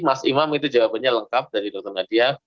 mas imam itu jawabannya lengkap dari dr nadia